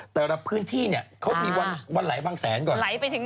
แต่ละพื้นที่เนี่ยเขามีวันไหลบางแสนก่อน